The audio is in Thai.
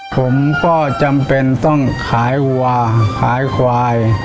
ผมก็จำเป็นต้องขายวัวขายควาย